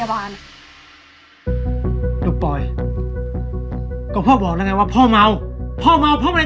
แต่พอเป็นผู้หญิงลูกภาพไหน